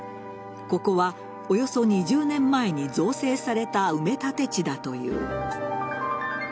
ここはおよそ２０年前に造成された埋め立て地だという。